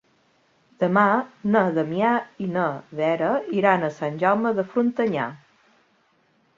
Demà na Damià i na Vera iran a Sant Jaume de Frontanyà.